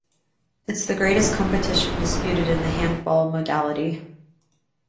It’s the greatest competition disputed in the handball modality.